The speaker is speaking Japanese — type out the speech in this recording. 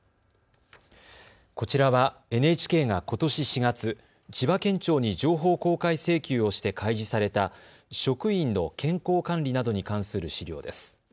こちらはＮＨＫがことし４月、千葉県庁に情報公開請求をして開示された職員の健康管理などに関する資料です。